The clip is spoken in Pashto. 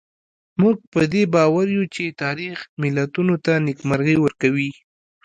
موږ په دې باور یو چې تاریخ ملتونو ته نېکمرغي ورکوي.